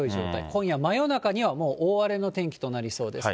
今夜、真夜中にはもう大荒れの天気となりそうです。